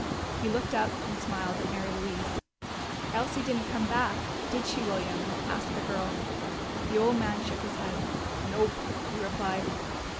He looked up and smiled at Mary Louise. "Elsie didn't come back, did she, William?" asked the girl. The old man shook his head. "Nope," he replied.